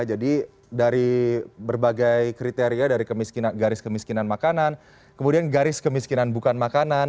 jadi dari berbagai kriteria dari garis kemiskinan makanan kemudian garis kemiskinan bukan makanan